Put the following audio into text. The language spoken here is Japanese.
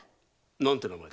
何て名だ？